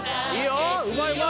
うまい！